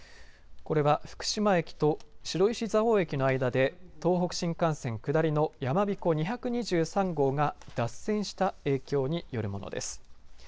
これは福島駅と白石蔵王駅の間で東北新幹線下りのやまびこ２２３号が脱線した影響によるものです。